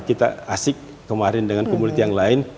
kita asyik kemarin dengan komoditi yang lain